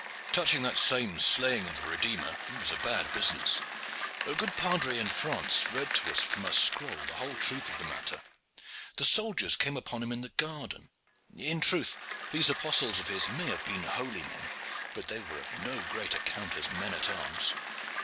Touching that same slaying of the Redeemer, it was a bad business. A good padre in France read to us from a scroll the whole truth of the matter. The soldiers came upon him in the garden. In truth, these Apostles of His may have been holy men, but they were of no great account as men at arms.